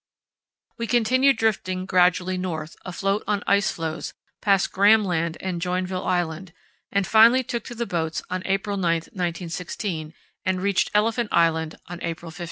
We continued drifting gradually north, afloat on ice floes, past Graham Land and Joinville Island, and finally took to the boats on April 9, 1916, and reached Elephant Island on April 15.